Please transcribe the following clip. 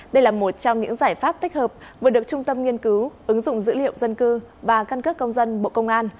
đây là một trong những giải pháp tích hợp vừa được trung tâm nghiên cứu ứng dụng dữ liệu dân cư và căn cước công dân bộ công an